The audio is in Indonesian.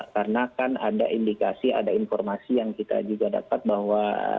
karena kan ada indikasi ada informasi yang kita juga dapat bahwa